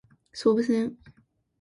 総武線